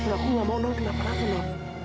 aku nggak mau non kenapa naf